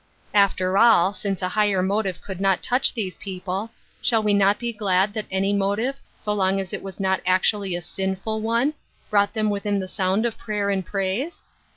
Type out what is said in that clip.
After all, since a higher motive could not touch these people, shall we not be glad that any motive, so long as it was not actually a sin ful one, brought them within the sound of prayer and praise